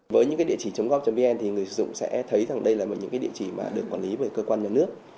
với những địa chỉ chống góp vn thì người dùng sẽ thấy rằng đây là một địa chỉ được quản lý bởi cơ quan nhà nước